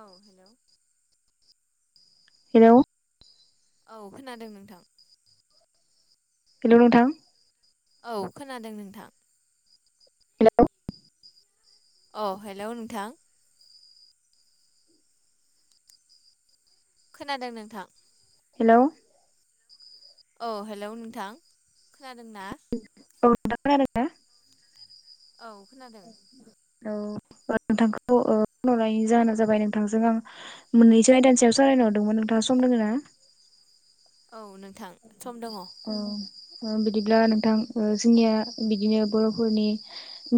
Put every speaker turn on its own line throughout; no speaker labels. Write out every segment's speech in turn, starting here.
औ hello
hello.
औ खोनादों नोंथां।
हेलौ नोंथां।
औ खोनादों नोंथां।
हेलौ।
औ हेलौ नोंथां। खोनादों नोंथां।
हेलौ।
औ हेलौ नोंथां खोनादों ना?
औ नोंथां खोनादोंना?
औ खोनादों।
औ नोंथांखौ ओ फनहरनायनि जाहोना जाबाय नोंथांजों आं मोननैसो आयदाननि सायाव साव- रायज्लायनो हरदोंमोन नोंथाङा सम दङ ना?
[inaudible] नोंथां सम दङ
औ। बिदिब्ला नोंथां जोंनिया बिदिनो बर'फोरनि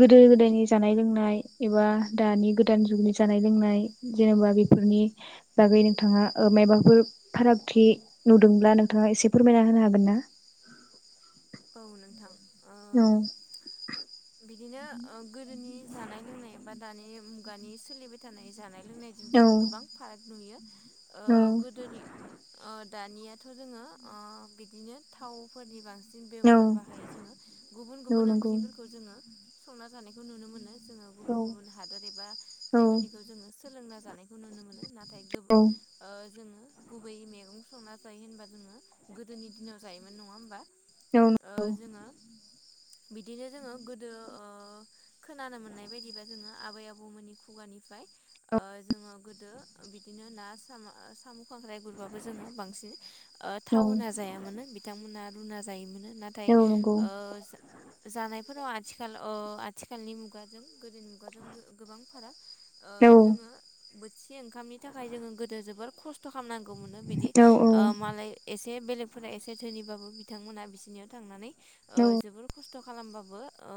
गोदो गोदायनि जानाय। लोंनाय एबा दानि गोदान जुगनि जानाय लोंनाय जेनेबा बेफोरनि बागै नों। नोंथाङा मायबाफोर फारागथि नुदोंब्ला नोंथाङा एसे। फोरमायना होनो हागोन ना?
औ नोंथां। ओ
औ।
बिदिनो ओ गोदोनि जानाय लोंनाय बा दानि मुगानि सोलिबाय थानाय जानाय। लोंनायजों
औ
जों गोबां फाराग नुयो ओ
औ
गोदोनि ओ। दानियाथ' जोङो ओ बिदिनो थावफोरनि बांसि। न
औ
बेब'हार बाहायै जोङो गुबुन
औ
गुबुन
नंगौ
ओंख्रिफोरखौ जोङो संना जानायखौ नुनो मोनो। जोङो
औ
गुबुन गुबुन हादोर एबा
औ
बेबायदिखौ जोङो सोलोंना जानायखौ नुनो मोनो नाथाय गो।
औ
ओ जोङो। गुबै मैगं संना जायो होनबा जोङो गोदोनि दिनाव जायोमोन नङा होमबा?
औ
ओ
नंगौ।
जोङो बिदिनो जोङो गोदो ओ खोनानो मोननाय बायदिबा ओ जोङो आबै आबौमोननि खुगानि। ओमफ्राय ओ जोङो गोदो बिदिनो ना सा साम' खांख्राइ गुरबाबो ओ जोङो बांसिन। ओ
औ
थावहोना जायामानो बिथांमोना रुना जायोमोन। नाथाय
नंगौ
ओ जानायफोराव आथिखाल अ आथिखालनि मुगाजों। गोदो मुगाजों गोबां फाराग
औ
ओ जोङो। बोथिसे ओंखामनि थाखाय जोङो गोदो जोबोर खस्थ' खालामनांगौमोननो बिदि
औ औ
ओ मालाय एसे। एसे बेलेगफोरा एसे धोनिबाबो बिथांमोनहा बिसिरनियाव थांनानै जोबोर खस्थ'। खस्थ' खालामबाबो ओ।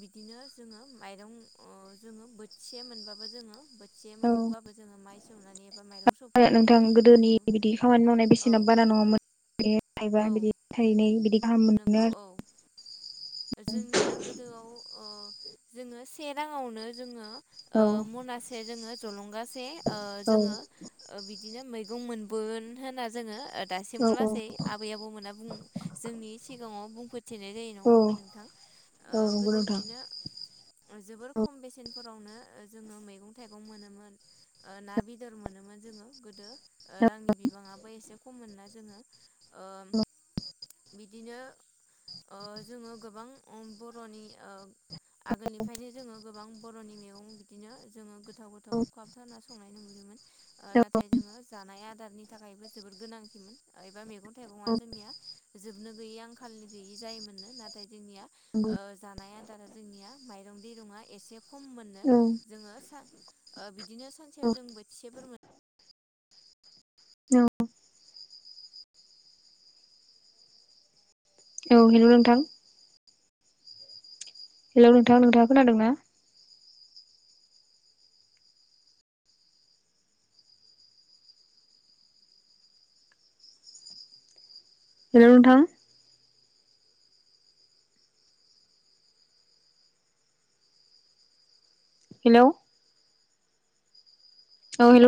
बिदिनो जोङो माइरं ओ जोङो ओ बोथिसे मोनबाबो जोङो। एसे
औ
मोनबोबाबो जोङो माइ सौनानै एबा माइरं सौफानानै
नोंथां गोदोनि
मोनबो औ।
बे थायबा
औ
बिदि थाइनै बिदि गाहाम
नंगौ
मोनो
औ
आरो।
जोंनिया गोदोआव ओ जोङो से राङावनो जोङो। ओ
आरो
मनासे जोङो जलंगासे
औ
जोङो बिदिनो मै। गं मोनबोगोन होनना जोङो।
औ
दासिमाव लासै आबै आबौमोना बुं जोंनि सिगाङाव बुंफोरोथेनाय जायो
औ
नङा। नोंथां
औ
ओ
नंगौ
गोदो
नोंथां औ
बिदिनो। जोबोर
औ नंगौ औ
खम बेसेनफोरावनो जोङो मैगं थाइगं मोनोमोन। ना बेदर मोनोमोन जोङो गोदो रांनि बिबाङाबो एसे खममोन ना। ओ बिदिनो ओ जोङो। गोबां ओ बर'नि ओ। आगोलनिफ्रायनो जोङो गोबां बर'नि मेगं बिदिनो जोङो गोथाव गोथाव खाबथा ना संनाय नुयोमोन। ओ नाथाय जोङो जानाय आदारनि थाखायबो जोबोद गोनांथिमोन एबा मेगन- थाइगंआ जोंनिया जोबनो गैयै आंखालनि गैयै जायोमोननो नाथा- जोंनिया जानाय आदारा जोंनिया माइरं दै रङा एसे - खम मोननो।
औ
जोङो साबिदिनो सा नसेयाव जों बोथिसे फोर मोनो।
औ। औ हेल' नोंथां। हेलौ नोंथाङा नोंथाङा खोनादोंना? हेल' नोंथां। हेलौ। औ हेल'।